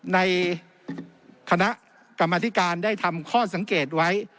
ในคณะกรรมธิการได้ทำข้อสังเกตไว้